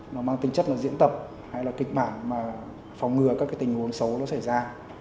nó mang tính chất là diễn tập hay là kịch bản mà phòng ngừa các cái tình huống xấu nó xảy ra